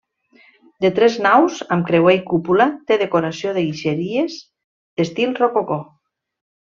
De tres naus, amb creuer i cúpula, té decoració de guixeries d'estil rococó.